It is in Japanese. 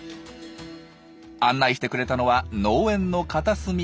案内してくれたのは農園の片隅。